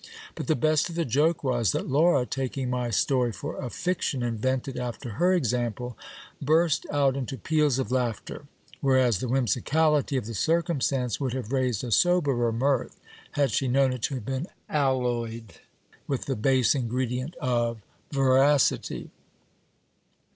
But the best of the joke was, that Laura, taking my story for a fiction invented after her example, burst out into peals of laughter : whereas the whimsicality of the circumstance would have raised a soberer mirth, had she known it to have been alloyed with the base ingredient of veracity.